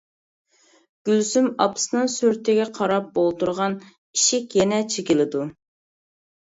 گۈلسۈم ئاپىسىنىڭ سۈرىتىگە قاراپ ئولتۇرغان، ئىشىك يەنە چېكىلىدۇ.